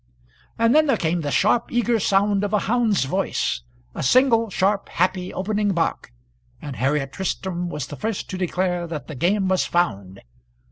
And then there came the sharp, eager sound of a hound's voice; a single, sharp, happy opening bark, and Harriet Tristram was the first to declare that the game was found.